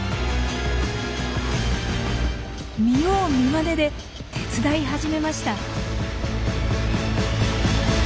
見よう見まねで手伝い始めました。